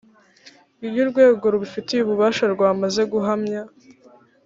iyo urwego rubifitiye ububasha rwamaze guhamya